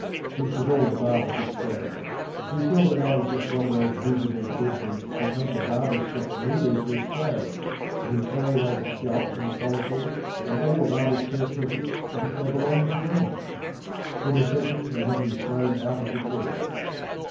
This was all the barber could stand. He saw that I was just one of those miserable dead beats who come to a barber shop merely for a shave, and who carry away the scalp and the follicles and all the barber's perquisites as if they belonged to them. In a second he had me thrown out of the chair.